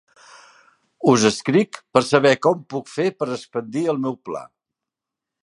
Us escric per saber com puc fer per expandir el meu pla.